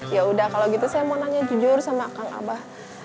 ya udah kalau gitu saya mau nanya jujur sama kang abah